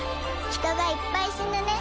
人がいっぱい死ぬね。